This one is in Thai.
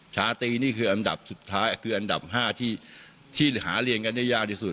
ชาตรีนี่คืออันดับสุดท้ายคืออันดับ๕ที่หาเรียนกันได้ยากที่สุด